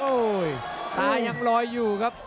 โอ้โหตายังลอยอยู่ครับ